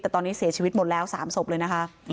แต่ตอนนี้เสียชีวิตหมดแล้ว๓ศพเลยนะคะ